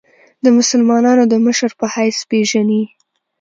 د مسلمانانو د مشر په حیث پېژني.